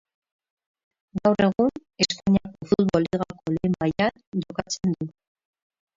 Gaur egun Espainiako futbol ligako lehen mailan jokatzen du.